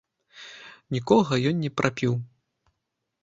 Нікога ён не прапіў.